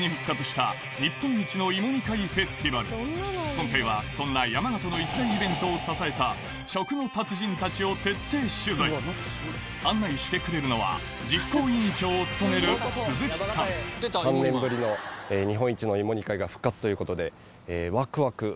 今年今回はそんな山形の一大イベントを支えた食の達人たちを徹底取材案内してくれるのは実行委員長を務める鈴木さんが復活ということで。